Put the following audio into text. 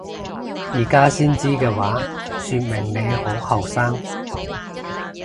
而家先知嘅話說明你好後生！